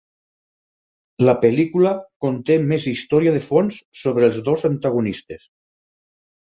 La pel·lícula conté més història de fons sobre els dos antagonistes.